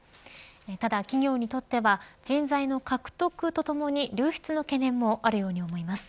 ただ、企業にとっては人材の獲得とともに流出の懸念もあるように思います。